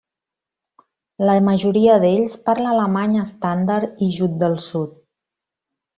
La majoria d'ells parla alemany estàndard i jut del sud.